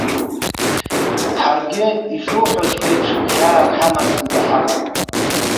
Ҳаргьы, ишуҳәаҵәҟьо еиԥш, хьаак ҳамаӡамкәа ҳаҟам.